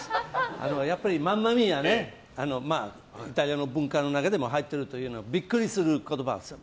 やっぱりマンマミーアねイタリアの文化の中でも入っているというのはビックリする言葉なんですよ。